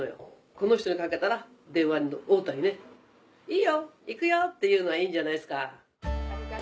この人にかけたら電話応対ね「いいよ行くよ！」っていうのはいいんじゃないですか。